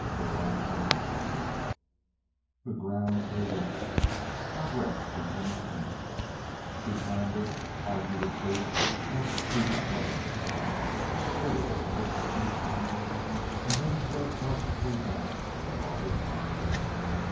Burl went on. The ground grew rougher; progress became painful. He clambered arduously up steep slopes all of forty or fifty feet high and made his way cautiously down to the farther sides.